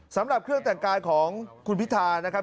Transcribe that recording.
สำหรับเครื่องแต่งกายของคุณพิธานะครับ